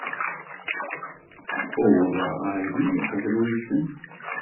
Uwḍeɣ ɣer din uqbel-nsent.